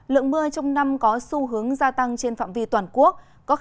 lượng mưa trong năm có xu hướng gia tăng trên phạm vi toàn quốc